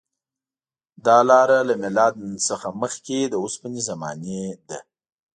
دا لاره له میلاد نه مخکې د اوسپنې زمانې ده.